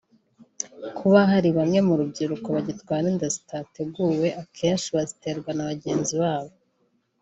Kuba hari bamwe mu rubyiruko bagitwara inda zitateguwe akenshi bazitewe na bagenzi babo